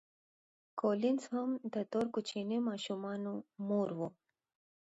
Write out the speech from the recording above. کولینز هم د دوو کوچنیو ماشومانو مور وه.